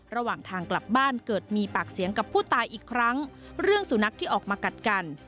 ระหว่างทางกลับบ้านเกิดมีปากเสียงกับผู้ตายอีกครั้งเรื่องสุนัขที่ออกมากัดกัน